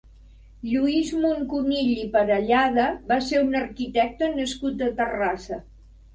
Lluís Muncunill i Parellada va ser un arquitecte nascut a Terrassa.